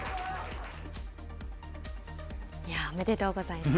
おめでとうございます。